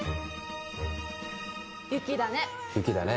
雪だね。